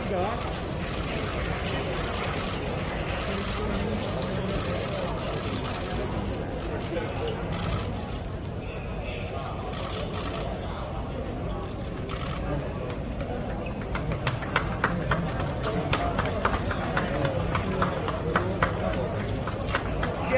สวัสดีครับ